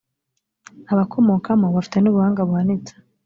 abakomokamo bafite n’ubuhanga buhanitse